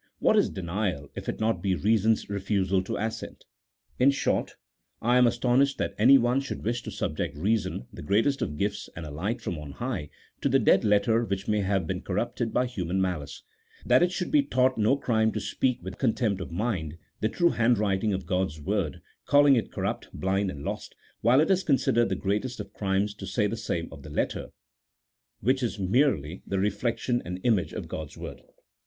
What is denial if it be not reason's refusal to assent? In short, I am asto nished that anyone should wish to subject reason, the greatest of gifts and a light from on high, to the dead letter which may have been corrupted by human malice ; that it should be thought no crime to speak with contempt of mind, the true handwriting of God's Word, calling it cor rupt, blind, and lost, while it is considered the greatest of crimes to say the same of the letter, which is merely the reflection and image of God's Word.